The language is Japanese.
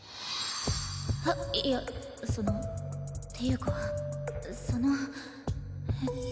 あっいやそのっていうかそのえっと